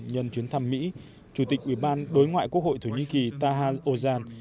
nhân chuyến thăm mỹ chủ tịch ub đối ngoại quốc hội thổ nhĩ kỳ taha ozan